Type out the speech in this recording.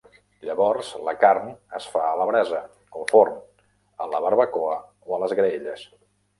Llavors la carn es fa a la brasa, al forn, a la barbacoa o a les graelles.